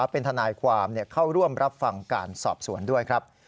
เป็นทนายความเข้าร่วมรับฟังการสอบสวนด้วยครับ